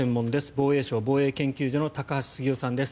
防衛省防衛研究所の高橋杉雄さんです。